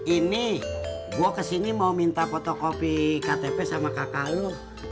ini gue kesini mau minta foto kopi ktp sama kakak lo